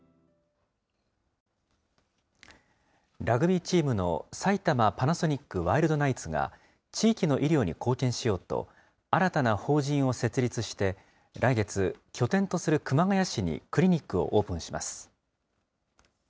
ラグビーチームの埼玉パナソニックワイルドナイツが、地域の医療に貢献しようと、新たな法人を設立して、来月、拠点とする熊谷市にクリニックをオープンします。